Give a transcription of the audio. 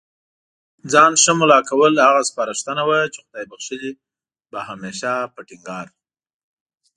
ځان ښه مُلا کول، هغه سپارښتنه وه چي خدای بخښلي به هميشه په ټينګار